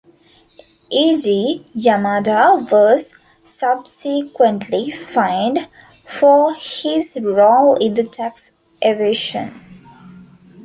Eiji Yamada was subsequently fined for his role in the tax evasion.